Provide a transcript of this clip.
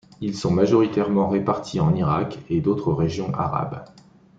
Ils sont majoritairement répartis en Irak et d'autres régions arabes.